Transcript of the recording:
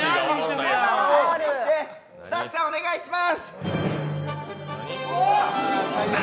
スタッフさん、お願いします。